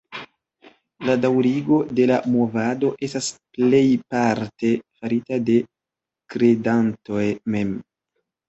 La daŭrigo de la movado estas plejparte farita de kredantoj mem.